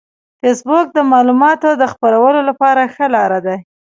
فېسبوک د معلوماتو د خپرولو لپاره ښه لار ده